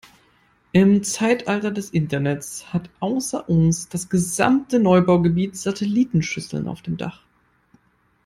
Im Zeitalter des Internets hat außer uns das gesamte Neubaugebiet Satellitenschüsseln auf dem Dach.